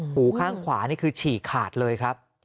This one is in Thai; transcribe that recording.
หูข้างขวานี่คือฉี่ขาดเลยครับ